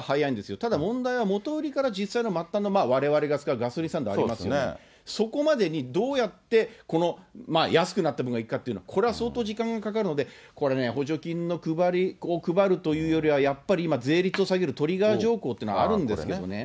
ただ問題は元売りから実際の末端のわれわれが使うガソリンスタンドありますよね、そこまでにどうやって、この安くなった分がいくかってこれは相当時間かかりますので、これね、補助金を配るというよりは、やっぱり今、税率を下げる、トリガー条項っていうのがあるんですけどね。